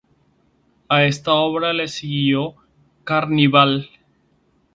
A esta obra le siguió "Carnival!